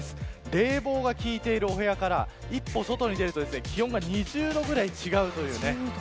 冷房が効いているお部屋から一歩外に出ると、気温が２０度ぐらい違うというね。